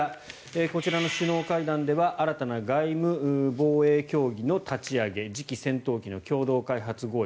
こちらの首脳会談では新たな外務・防衛協議の立ち上げ次期戦闘機の共同開発合意